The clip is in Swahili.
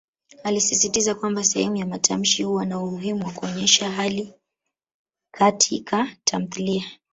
Alisisitiza kwamba sehemu ya matamshi huwa na umuhimu wa kuonyesha hali Kati ka tamthilia.